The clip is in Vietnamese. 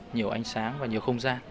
nhiều ánh sáng và nhiều không gian